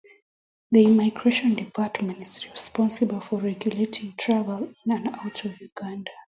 The immigration department is responsible for regulating travel in and out of Uganda.